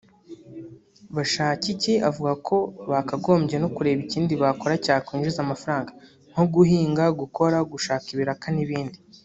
Bashakiki avuga ko bakagombye no kureba ikindi bakora cyakwinjiza amafaranga nko guhinga gukora gushaka ibiraka n’ibindi